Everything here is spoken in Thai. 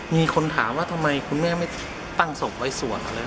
มีคนถามว่าทำไมคุณแม่ไม่ตั้งศพไว้สวดอะไร